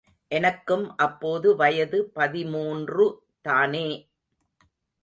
எனக்கும் அப்போது வயது பதிமூன்று தானே!